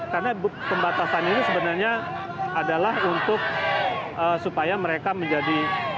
karena pembatasan ini sebenarnya adalah untuk supaya mereka menjadi